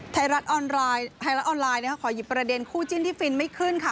ไทยรัฐออนไลน์ไทยรัฐออนไลน์นะคะขอหยิบประเด็นคู่จิ้นที่ฟินไม่ขึ้นค่ะ